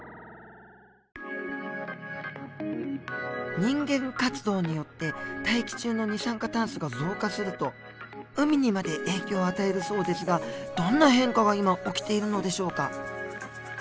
人間活動によって大気中の二酸化炭素が増加すると海にまで影響を与えるそうですがどんな変化が今起きているのでしょうか。